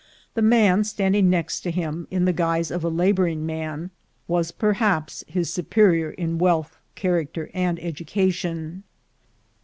The man standing next him, in the guise of a laboring man, was perhaps his superior in wealth, character, and education.